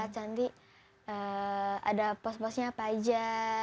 candi ada pos posnya apa aja